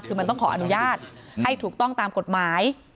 คือมันต้องขออนุญาตให้ถูกต้องตามกฎหมาย